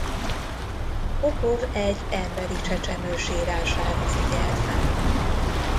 Popov egy emberi csecsemő sírására figyel fel.